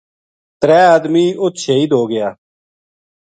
ترے آدمی اُت شہید ہوگیا